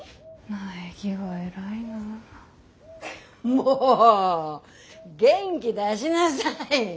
もう元気出しなさい！